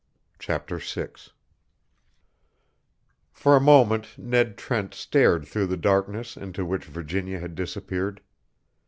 Chapter Six For a moment Ned Trent stared through the darkness into which Virginia had disappeared.